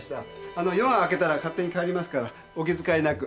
あの夜が明けたら勝手に帰りますからお気遣いなく。